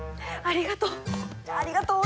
ありがとう！